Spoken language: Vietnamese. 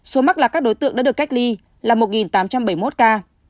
số mắc là các đối tượng đã được cách ly là một tám trăm bảy mươi một ca